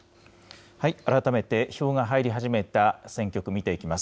改めて票が入り始めた選挙区見ていきます。